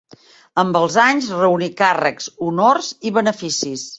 Amb els anys reuní càrrecs, honors i beneficis.